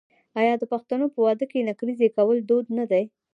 آیا د پښتنو په واده کې نکریزې کول دود نه دی؟